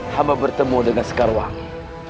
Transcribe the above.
hamba bertemu dengan sekarwangi